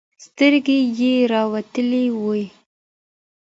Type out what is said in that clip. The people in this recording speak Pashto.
سترگې يې راوتلې وې.